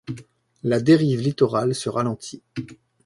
La dérive littorale se ralentit.